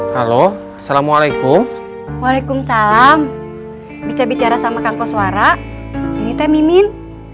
halo assalamualaikum waalaikumsalam bisa bicara sama kang koswara ini teh mimin